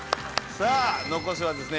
さあ残すはですね